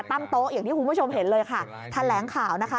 ตั้งโต๊ะอย่างที่คุณผู้ชมเห็นเลยค่ะแถลงข่าวนะคะ